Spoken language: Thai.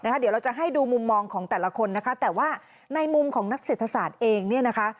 เดี๋ยวเราจะให้ดูมุมมองของแต่ละคนนะคะแต่ว่าในมุมของนักเศรษฐศาสตร์เองเนี่ยนะคะ